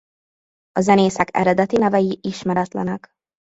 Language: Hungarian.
A zenészek eredeti nevei ismeretlenek.